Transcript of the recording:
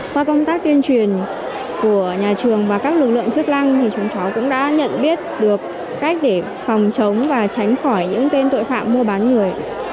qua công tác tuyên truyền của nhà trường và các lực lượng chức lăng thì chúng cháu cũng đã nhận biết được cách để phòng chống và tránh khỏi những tên tội phạm mua bán người